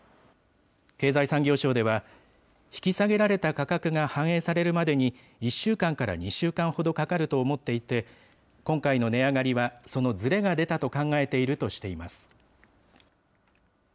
経済産業省では、引き下げられた価格が反映されるまでに、１週間から２週間ほどかかると思っていて、今回の値上がりは、そのずれが出たと考えているとしています。